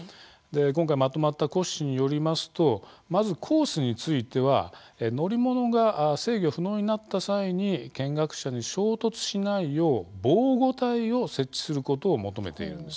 今回まとまった骨子によりますとまずコースについては乗り物が制御不能になった際に見学者に衝突しないよう防護体を設置することを求めているんです。